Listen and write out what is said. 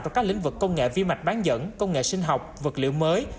trong các lĩnh vực công nghệ vi mạch bán dẫn công nghệ sinh học vật liệu mới